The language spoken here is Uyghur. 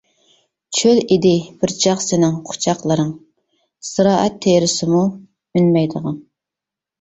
چۆل ئىدى بىرچاغ سېنىڭ قۇچاقلىرىڭ، زىرائەت تېرىسىمۇ ئۈنمەيدىغان.